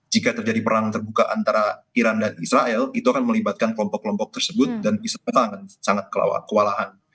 jika terjadi perang terbuka antara iran dan israel itu akan melibatkan kelompok kelompok tersebut dan bisa sangat kewalahan